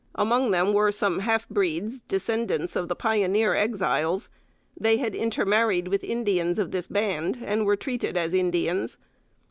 Among them were some half breeds, descendants of the pioneer Exiles. They had intermarried with Indians of this band, and were treated as Indians.